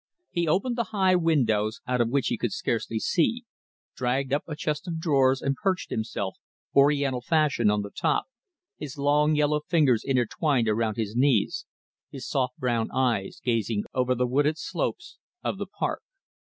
He opened the high windows, out of which he could scarcely see, dragged up a chest of drawers and perched himself, Oriental fashion, on the top, his long yellow fingers intertwined around his knees, his soft brown eyes gazing over the wooded slopes of the Park.